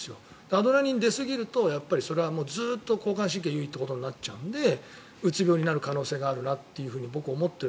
アドレナリンが出すぎるとそれはずっと交感神経優位ということになっちゃうのでうつ病になる可能性があるなって僕は思っていて